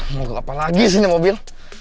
mau gok apa lagi sih ini mobil